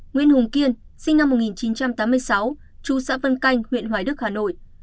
nguyễn hùng kiên sinh năm một nghìn chín trăm tám mươi sáu chú xã vân canh huyện hoài đức hà nội